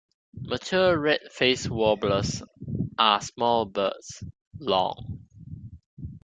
Mature red-faced warblers are small birds, long.